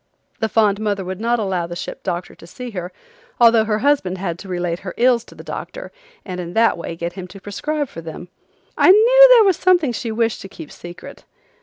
The fond mother would not allow the ship doctor to see her although her husband had to relate her ills to the doctor and in that way get him to prescribe for them. I knew there was something she wished to keep secret.